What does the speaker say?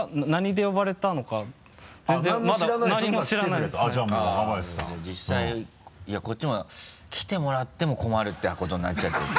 いやこっちも来てもらっても困るってことになっちゃってて。